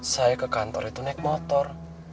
saya ke kantor itu naik motor